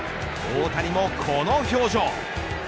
大谷もこの表情。